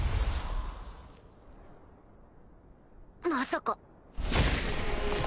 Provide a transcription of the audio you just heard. まさか。